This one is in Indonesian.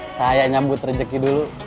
saya nyambut rejeki dulu